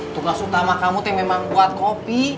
tugas utama kamu tuh memang buat kopi